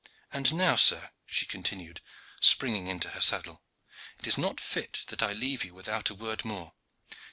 And now, sir," she continued, springing into her saddle, "it is not fit that I leave you without a word more.